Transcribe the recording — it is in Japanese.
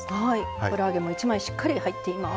油揚げも１枚しっかり入っています。